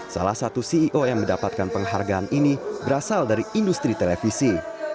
salah satu ceo yang mendapatkan penghargaan ini berasal dari industri televisi